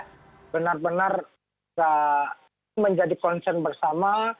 jadi kita benar benar menjadi concern bersama